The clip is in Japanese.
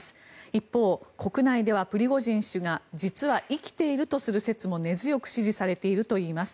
一方、国内ではプリゴジン氏が実は生きているとする説も根強く支持されているといいます。